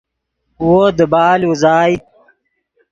وو دیبال اوزائے